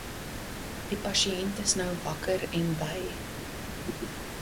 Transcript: Die pasiënt is nou wakker en by.